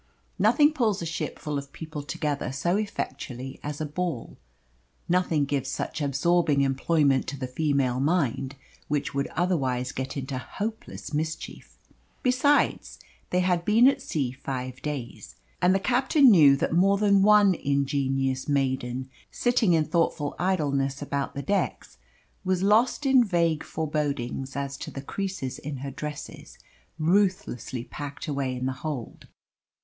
Nothing pulls a ship full of people together so effectually as a ball. Nothing gives such absorbing employment to the female mind which would otherwise get into hopeless mischief. Besides they had been at sea five days, and the captain knew that more than one ingenuous maiden, sitting in thoughtful idleness about the decks, was lost in vague forebodings as to the creases in her dresses ruthlessly packed away in the hold.